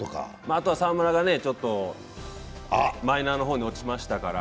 あとは澤村がマイナーの方に落ちましたから。